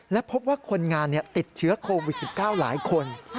และพบว่าคนงานติดเชื้อโควิด๑๙หลายคน